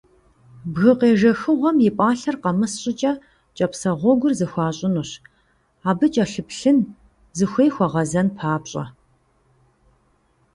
Бгы къежэхыгъуэм и пӀалъэр къэмыс щӀыкӀэ кӀапсэ гъуэгур зэхуащӏынущ, абы кӀэлъыплъын, зыхуей хуагъэзэн папщӀэ.